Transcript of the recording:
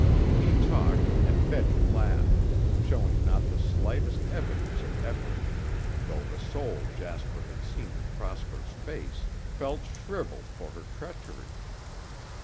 He talked and Betty laughed, showing not the slightest evidence of effort, though the soul Jasper had seen in Prosper's face felt shriveled for her treachery.